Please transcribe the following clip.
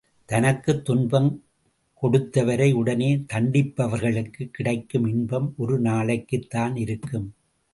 தனக்குத் துன்பம் கொடுத்தவரை உடனே தண்டிப்பவர்களுக்குக் கிடைக்கும் இன்பம் ஒரு நாளைக்குத் தான் இருக்கும்.